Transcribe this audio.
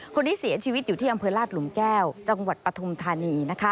คนนี้เสียชีวิตอยู่ที่อำเภอลาดหลุมแก้วจังหวัดปฐุมธานี